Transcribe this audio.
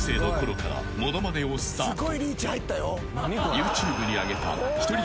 ［ＹｏｕＴｕｂｅに上げた］